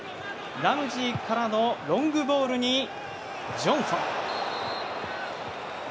ラムジーからのロングボールにジョンソン。